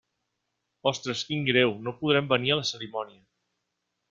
Ostres, quin greu, no podrem venir a la cerimònia.